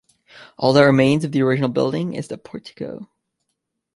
All that remains of the original building is the portico.